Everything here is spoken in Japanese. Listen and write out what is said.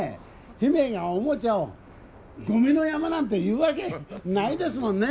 姫がおもちゃをゴミの山なんて言うわけないですもんね？